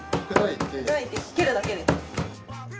砕いてかけるだけです。